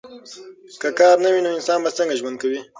که کار نه وي نو انسان به څنګه ژوند کوي؟